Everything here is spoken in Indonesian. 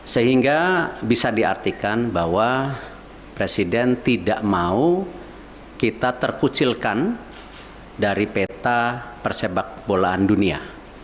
sehingga bisa diartikan bahwa presiden tidak mau kita terkucilkan dari peta persepak bolaan dunia